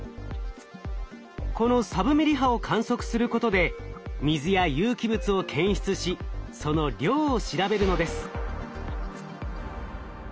このサブミリ波を観測することで水や有機物を検出しその量を調べるのです。